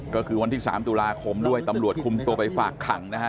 ก็คือวันที่๓ตุลาคมด้วยตำรวจคุมตัวไปฝากขังนะฮะ